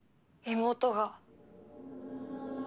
妹が。